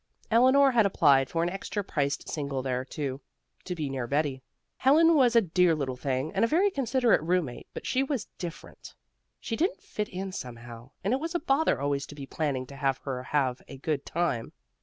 Eleanor had applied for an extra priced single there, too, to be near Betty. Helen was a dear little thing and a very considerate roommate, but she was "different." She didn't fit in somehow, and it was a bother always to be planning to have her have a good time.